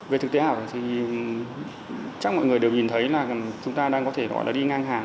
về thực tế ảo thì chắc mọi người đều nhìn thấy là chúng ta đang có thể gọi là đi ngang hàng